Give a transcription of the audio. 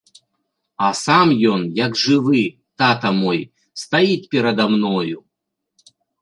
А сам ён, як жывы, тата мой, стаіць перада мною.